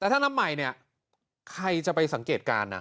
แต่ถ้าน้ำใหม่เนี่ยใครจะไปสังเกตการณ์